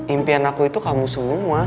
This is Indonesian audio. impian aku itu kamu semua